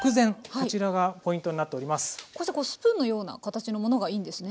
こうしてこうスプーンのような形のものがいいんですね？